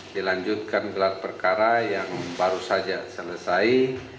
dilanjutkan gelar perkara yang baru saja selesai